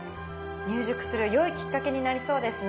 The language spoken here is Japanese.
入塾するよいきっかけになりそうですね。